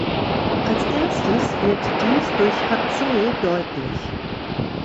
Als erstes wird dies durch Hatsue deutlich.